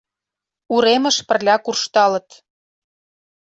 Уремыш пырля куржталыт.